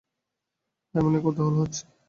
এমনি, কৌতূহল হচ্ছে।